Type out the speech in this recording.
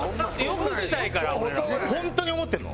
良くしたいから俺らは。本当に思ってんの？